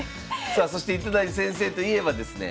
さあそして糸谷先生といえばですね